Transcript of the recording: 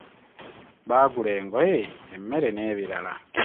Baagula engoye, emmere n'ebirala.